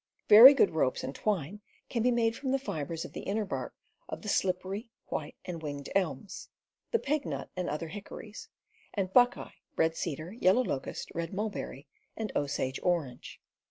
Very good ropes and ^ rT^ r twine can be made from the fibers of an win .^^^ inner bark of the slippery, white, and winged elms, the pignut and other hickories, and buckeye, red cedar, yellow locust, red mulberry, and Osage orange.